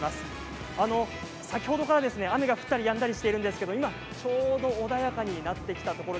先ほどから雨が降ったりやんだりしていますが今ちょうど穏やかになってきました。